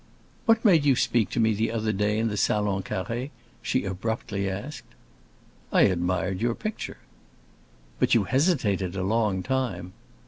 "What made you speak to me the other day in the Salon Carré?" she abruptly asked. "I admired your picture." "But you hesitated a long time."